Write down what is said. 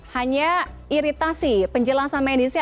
hanya iritasi penjelasan medisnya